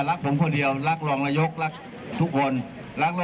ฟังเสียงนายกนะคะ